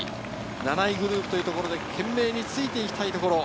７位グループというところで懸命についていきたいというところ。